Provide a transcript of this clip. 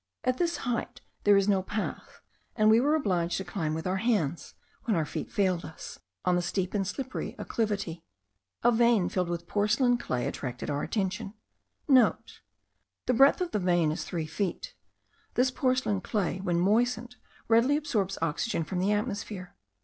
At this height there is no path, and we were obliged to climb with our hands, when our feet failed us, on the steep and slippery acclivity. A vein filled with porcelain clay attracted our attention.* (* The breadth of the vein is three feet. This porcelain clay, when moistened, readily absorbs oxygen from the atmosphere.